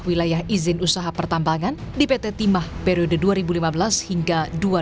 wilayah izin usaha pertambangan di pt timah periode dua ribu lima belas hingga dua ribu dua puluh